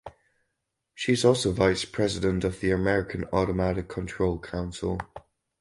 She is also vice president of the American Automatic Control Council.